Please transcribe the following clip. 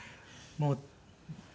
もう。